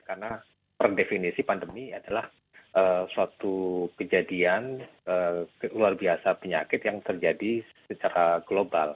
karena per definisi pandemi adalah suatu kejadian luar biasa penyakit yang terjadi secara global